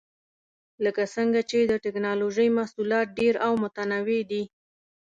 لکه څنګه چې د ټېکنالوجۍ محصولات ډېر او متنوع دي.